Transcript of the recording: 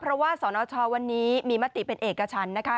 เพราะว่าสนชวันนี้มีมติเป็นเอกชันนะคะ